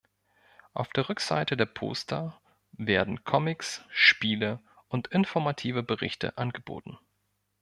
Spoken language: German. Auf der Rückseite der Poster werden Comics, Spiele und informative Berichte angeboten.